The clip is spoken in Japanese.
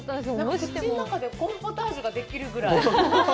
口の中でコーンポタージュができるくらい！